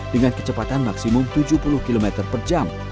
dengan kecepatan maksimum tujuh puluh km per jam